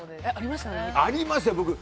ありますよ。